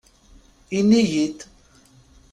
Ini-yi-d.